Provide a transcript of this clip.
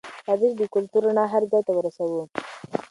راځئ چې د کلتور رڼا هر ځای ته ورسوو.